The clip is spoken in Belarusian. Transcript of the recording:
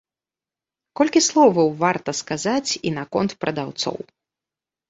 Колькі словаў варта сказаць і наконт прадаўцоў.